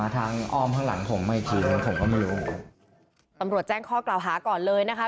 ตำรวจแจ้งข้อกล่าวหาก่อนเลยนะคะ